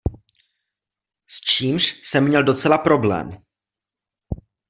S čímž jsem měl docela problém.